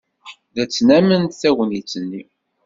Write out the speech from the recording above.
La ttnament tagnit-nni.